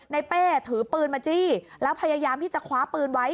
เป้ถือปืนมาจี้แล้วพยายามที่จะคว้าปืนไว้